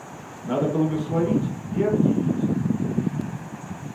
Надо благословить и объявить.